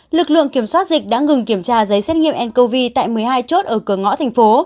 lực lượng kiểm soát dịch đã ngừng kiểm tra giấy xét nghiệm ncov tại một mươi hai chốt ở cửa ngõ thành phố